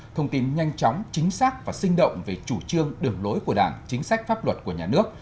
thông tin nhanh chóng chính xác và sinh động về chủ trương đường lối của đảng chính sách pháp luật của nhà nước